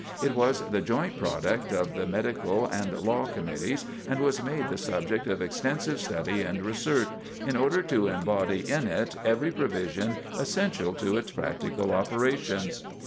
It was the joint product of the Medical and Law Committees, and was made the subject of extensive study and research, in order to embody in it every provision essential to its practical operations.